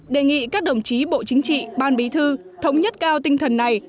đề nghị các đồng chí bộ chính trị ban bí thư thống nhất cao tinh thần này